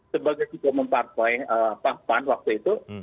sebagai kita mempartai pahaman waktu itu